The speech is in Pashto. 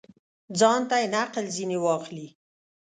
ځانته یې نقل ځني واخلي.